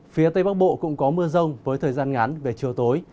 phía tây bắc bộ cũng có mưa rông với thời gian ngắn về chiều tối